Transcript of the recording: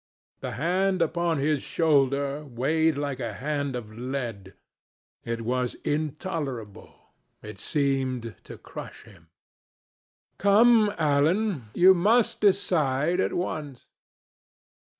The hand upon his shoulder weighed like a hand of lead. It was intolerable. It seemed to crush him. "Come, Alan, you must decide at once."